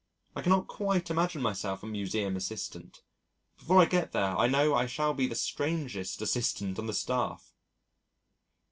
I cannot quite imagine myself a Museum assistant. Before I get there I know I shall be the strangest assistant on the staff.